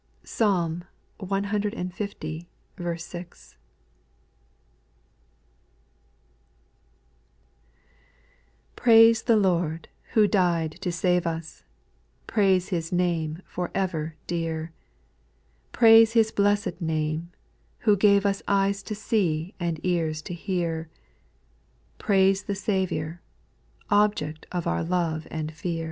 Psalm cl. 6. 1. T) RAISE the Lord, who died to save us ; X Praise His name, for ever dear ; Praise His blessed name, who gave us Eyes to see and ears to hear : Praise the Saviour, — Object of our love and fear.